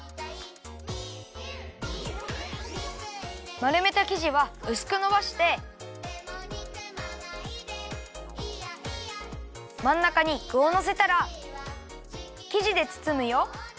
まるめたきじはうすくのばしてまんなかにぐをのせたらきじでつつむよ。